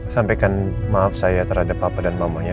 sampaikan maaf saya terhadap papa dan mamanya